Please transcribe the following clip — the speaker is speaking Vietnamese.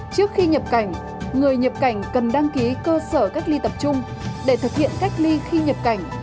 trước khi nhập cảnh người nhập cảnh cần đăng ký cơ sở cách ly tập trung để thực hiện cách ly khi nhập cảnh